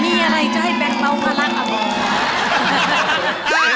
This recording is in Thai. มีอะไรจะให้แบงก์ต้องมารักอำนาจ